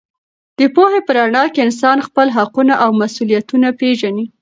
د پوهې په رڼا کې انسان خپل حقونه او مسوولیتونه پېژني.